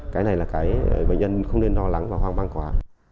cái này là cái bệnh nhân không nên lo lắng và hoang mang quá